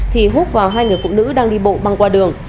thì hút vào hai người phụ nữ đang đi bộ băng qua đường